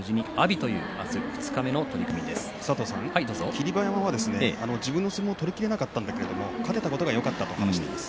霧馬山は自分の相撲を取りきれなかったんだけれども勝てたことがよかったと話しています。